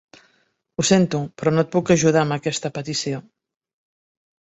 Ho sento, però no et puc ajudar amb aquesta petició.